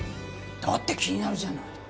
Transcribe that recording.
だって気になるじゃない。